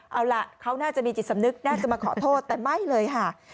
เอาล่ะเขาน่าจะมีจิตสำนึกน่าจะมาขอโทษแต่ไม่เลยค่ะ